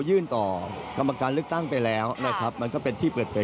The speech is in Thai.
ยื่นต่อกรรมการเลือกตั้งไปแล้วนะครับมันก็เป็นที่เปิดเผย